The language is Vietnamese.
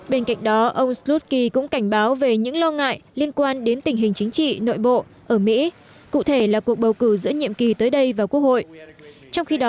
bên cạnh đó ông sruty cũng cảnh báo về những lo ngại liên quan đến tình hình chính trị nội bộ ở mỹ cụ thể là cuộc bầu cử giữa nhiệm kỳ tới đây và quốc hội